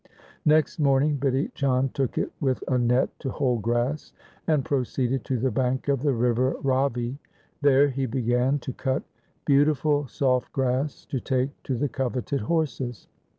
Next morning Bidhi Chand took it with a net to hold grass, and proceeded to the bank of the river Ravi. There he began to cut beautiful soft grass to take to the coveted horses.